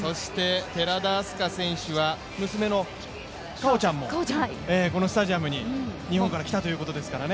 寺田明日香選手は娘の果緒ちゃんもこのスタジアムに日本から来たということですからね。